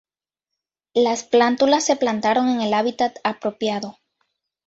Las plántulas se plantaron en el hábitat apropiado.